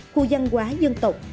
khu văn hóa dân tộc